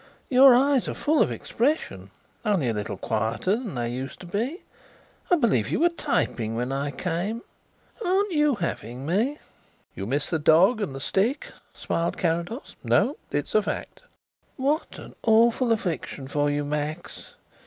Your eyes are full of expression only a little quieter than they used to be. I believe you were typing when I came....Aren't you having me?" "You miss the dog and the stick?" smiled Carrados. "No; it's a fact." "What an awful affliction for you, Max.